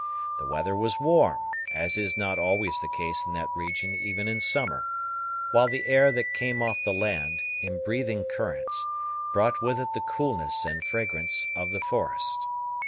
The weather was warm, as is not always the case in that region even in summer, while the air that came off the land, in breathing currents, brought with it the coolness and fragrance of the forest.